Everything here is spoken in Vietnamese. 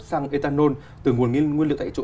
xăng ethanol từ nguồn nguyên liệu tại chỗ